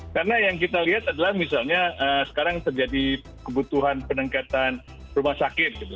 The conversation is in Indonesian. karena yang kita lihat adalah misalnya sekarang terjadi kebutuhan peningkatan rumah sakit